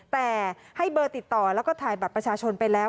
แต่ให้เบอร์ติดต่อแล้วก็ถ่ายบัตรประชาชนไปแล้ว